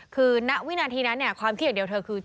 คือณวินาทีนั้นความคิดอย่างเดียวเธอคือ